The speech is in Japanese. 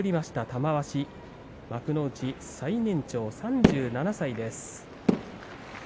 玉鷲、幕内最年長３７歳です。